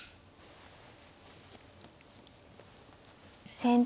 先手